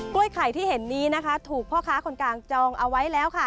ไข่ที่เห็นนี้นะคะถูกพ่อค้าคนกลางจองเอาไว้แล้วค่ะ